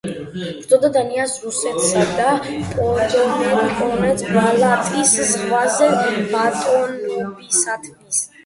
ებრძოდა დანიას, რუსეთსა და პოლონეთს ბალტიის ზღვაზე ბატონობისათვის.